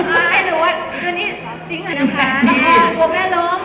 กลัวแม่ร้ม